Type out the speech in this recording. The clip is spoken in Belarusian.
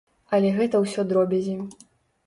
Але гэта ўсё дробязі.